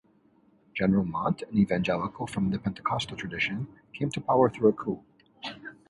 General Montt, an Evangelical from the Pentecostal tradition, came to power through a coup.